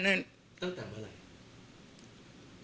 ตั้งแต่เมื่อไหร่